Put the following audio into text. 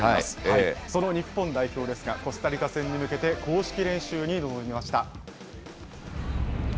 その日本代表ですが、コスタリカ戦に向けて公式練習に臨みました。